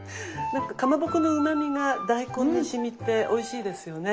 なんかかまぼこのうまみが大根にしみておいしいですよね。